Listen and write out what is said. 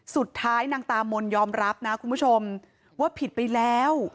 นางตามนยอมรับนะคุณผู้ชมว่าผิดไปแล้ว